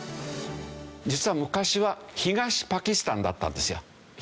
実は昔は東パキスタンだったんですよ。